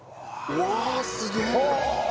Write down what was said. うわすげえ！はあ